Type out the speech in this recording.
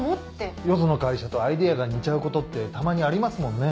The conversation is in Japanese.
よその会社とアイデアが似ちゃうことってたまにありますもんね。